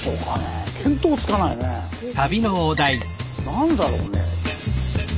何だろうね？